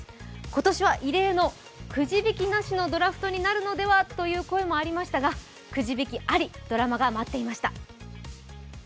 今年は異例のくじ引きなしのドラフトになるのではという声もありましたがくじ引きあり、ドラマが待っていました。